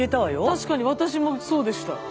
確かに私もそうでした。